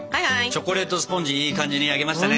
チョコレートスポンジいい感じに焼けましたね。